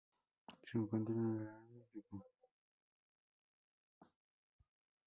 Se encuentra en el lago Turkana.